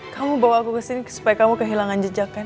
kamu bawa aku kesini supaya kamu kehilangan jejak kan